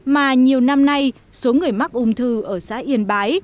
mà nhiều năm nay số người mắc ung thư ở xã yên bái